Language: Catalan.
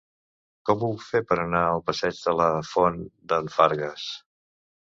Com ho puc fer per anar al passeig de la Font d'en Fargues?